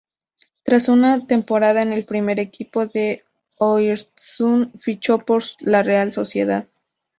Tras una temporadas en el primer equipo del Oiartzun, fichó por la Real Sociedad.